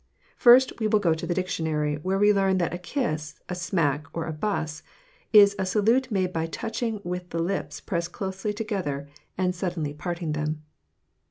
First, we will go to the dictionary where we learn that a kiss, a smack, or a buss, is "a salute made by touching with the lips pressed closely together and suddenly parting them."